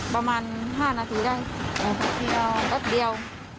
ประมาณ๕นาทีได้แป๊บเดียว